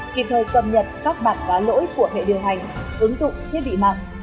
kịp thời cập nhật các bản và lỗi của hệ điều hành ứng dụng thiết bị mạng